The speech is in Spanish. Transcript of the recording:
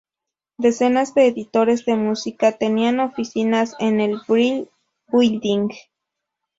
Decenas de editores de música tenían oficinas en el Brill Building.